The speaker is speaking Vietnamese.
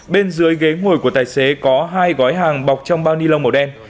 bên dưới ghế ngồi của tài xế có hai gói hàng bọc trong bao ni lông màu đen